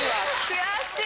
悔しい！